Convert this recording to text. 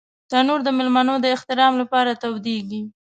تنور د مېلمنو د احترام لپاره تودېږي